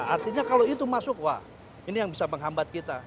artinya kalau itu masuk wah ini yang bisa menghambat kita